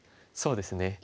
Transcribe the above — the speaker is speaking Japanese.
そうですね。